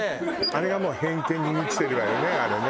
あれがもう偏見に満ちてるわよねあれね。